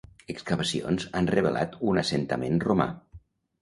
Excavacions han revelat un assentament romà.